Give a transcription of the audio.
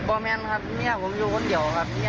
โอ้ย